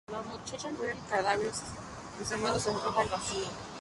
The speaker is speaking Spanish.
La muchacha, al ver el cadáver de su amado, se arroja al vacío.